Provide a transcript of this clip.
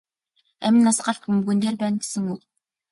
Амь нас галт бөмбөгөн дээр байна гэсэн үг.